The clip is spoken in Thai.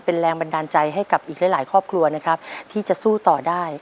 เป็นแรงบันดาลใจให้กับอีกหลายครอบครัวนะครับที่จะสู้ต่อได้